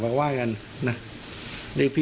ขอบคุณครับ